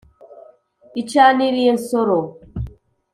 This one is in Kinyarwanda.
icaniriye nsoro.